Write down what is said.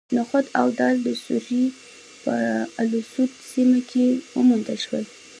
نخود او دال د سوریې په الاسود سیمه کې وموندل شول.